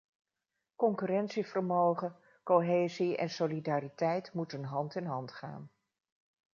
Concurrentievermogen, cohesie en solidariteit moeten hand in hand gaan.